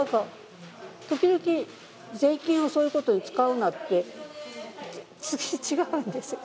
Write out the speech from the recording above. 時々、税金をそういうことに使うなってでも、違うんですよ。